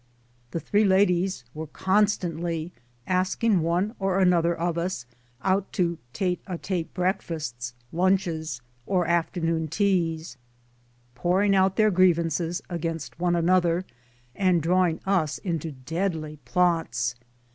The three ladies were con * 6 82 MY DAYS AND DREAMS stantly asking one or other of us out to tete a tete breakfasts, lunches, or afternoon teas pouring out their grievances against one another, and drawing us into deadly plots.